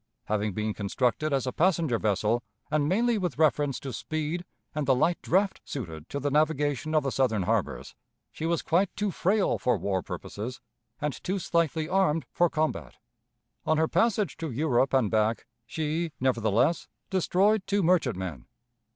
Having been constructed as a passenger vessel, and mainly with reference to speed and the light draught suited to the navigation of the Southern harbors, she was quite too frail for war purposes and too slightly armed for combat. On her passage to Europe and back, she, nevertheless, destroyed two merchantmen.